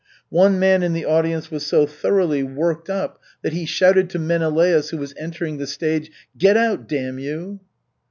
One man in the audience was so thoroughly worked up that he shouted to Menelaus, who was entering the stage, "Get out, damn you!"